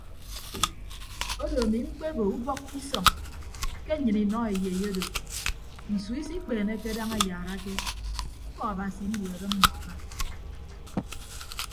Odo ami mkpebo ubọk ke isọñ ke nnyịn inọ eyei odo nsu isikpeeneke daña ayaarake ñkọ abasi nduehe mmọọ aba.